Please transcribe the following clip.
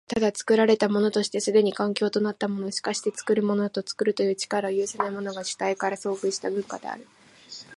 ただ、作られたものとして既に環境的となったもの、しかして作るものを作るという力を有せないものが、主体から遊離した文化である。